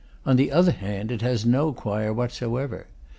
On the other hand, it has no choir whatever.